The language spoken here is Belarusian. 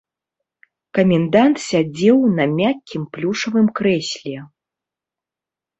Камендант сядзеў на мяккім плюшавым крэсле.